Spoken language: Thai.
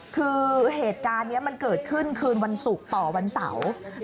คือเหตุการณ์นี้มันเกิดขึ้นคืนวันศุกร์ต่อวันเสาร์